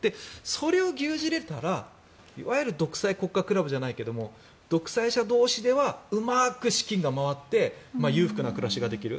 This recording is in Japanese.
それを牛耳れたらいわゆる独裁国家クラブじゃないけど独裁者同士ではうまく資金が回って裕福な暮らしができる。